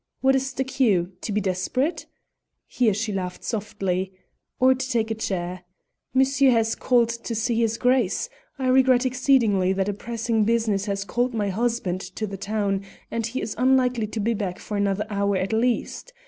What is the cue? To be desperate?" here she laughed softly, "or to take a chair? Monsieur has called to see his Grace. I regret exceedingly that a pressing business has called my husband to the town, and he is unlikely to be back for another hour at least.